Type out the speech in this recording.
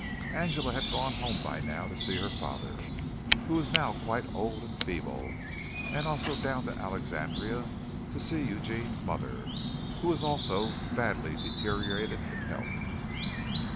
Angela had gone home by now to see her father, who was now quite old and feeble, and also down to Alexandria to see Eugene's mother, who was also badly deteriorated in health.